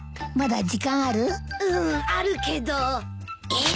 えっ？